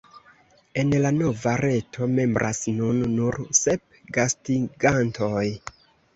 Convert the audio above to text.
En la nova reto membras nun nur sep gastigantoj.